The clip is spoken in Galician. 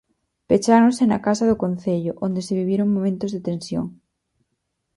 Pecháronse na casa do concello, onde se viviron momentos de tensión.